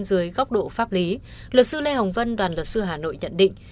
dưới góc độ pháp lý luật sư lê hồng vân đoàn luật sư hà nội nhận định